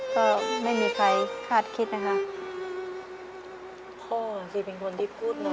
ก็ไม่มีใครคาดคิดนะคะ